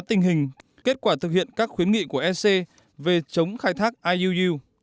tình hình kết quả thực hiện các khuyến nghị của ec về chống khai thác iuu